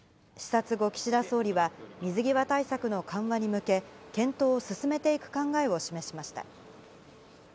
視察後、岸田総理は、水際対策の緩和に向け、検討を進めていく考えを示しました。